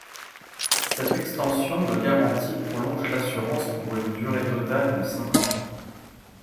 Cette extension de garantie prolonge l'assurance pour une durée totale de cinq ans.